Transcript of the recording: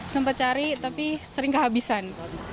sempat cari tapi sering kehabisan